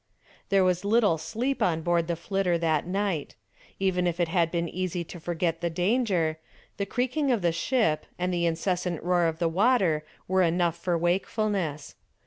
There was little sleep on board the "Flitter" that night. Even if it had been easy to forget the danger, the creaking of the ship and the incessant roar of the water were enough for wakefulness.